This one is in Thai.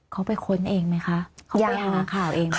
เขาไปค้นเองไหมคะเขาไปหาข่าวเองไหมคะ